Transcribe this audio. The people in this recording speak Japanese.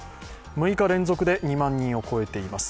６日連続で２万人を超えています。